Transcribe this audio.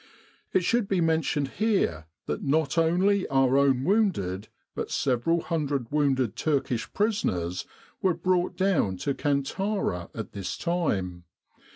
It should be mentioned here that not only our own wounded but several hundred wounded Turkish prisoners, were brought down to Kantara at this time.